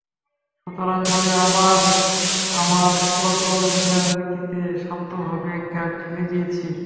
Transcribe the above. সুতরাং আমি আবার আমার পুরাতন রীতিতে শান্তভাবে গা ঢেলে দিয়েছি।